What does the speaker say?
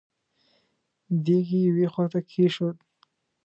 دېګ يې يوې خواته کېښود.